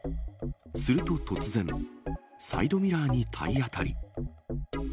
すると突然、サイドミラーに体当たり。